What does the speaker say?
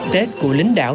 tết của lính đạo